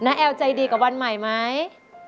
น้าแอวใจดีกว่าวันใหม่ไหม